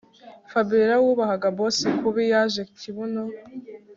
Fabiora wubahaga boss kubi yaje kibuno